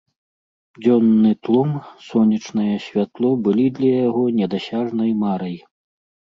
Дзённы тлум, сонечнае святло былі для яго недасяжнай марай.